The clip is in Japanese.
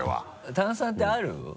炭酸ってある？